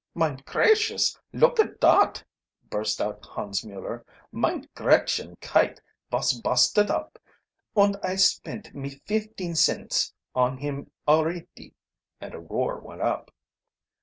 "Mine cracious, look at dot!" burst out Hans Mueller. "Mine Gretchen kite vos busted up und I spent me feefteen cents on him alreety!" and a roar went up.